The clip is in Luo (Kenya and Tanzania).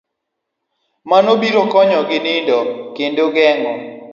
Mano biro konyogi nindo kendo geng'o